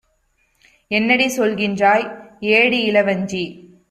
என்னடி சொல்கின்றாய் ஏடி இளவஞ்சி?